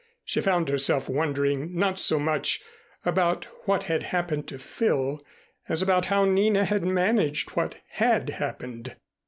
She found herself wondering not so much about what had happened to Phil as about how Nina had managed what had happened.